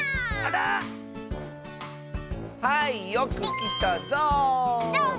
はいよくきたゾウ！